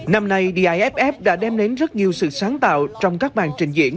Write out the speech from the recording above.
năm nay dif đã đem đến rất nhiều sự sáng tạo trong các màn trình diễn